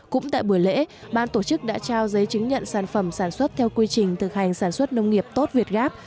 cũng tại buổi lễ ban tổ chức đã trao giấy chứng nhận sản phẩm sản xuất theo quy trình thực hành sản xuất nông nghiệp tốt việt gáp